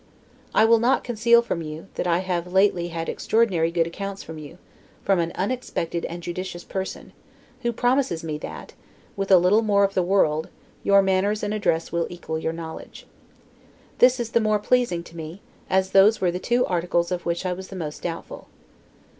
I will not conceal from you, that I have lately had extraordinary good accounts of you, from an unexpected and judicious person, who promises me that, with a little more of the world, your manners and address will equal your knowledge. This is the more pleasing to me, as those were the two articles of which I was the most doubtful.